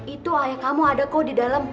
itu ayah kamu ada kok di dalam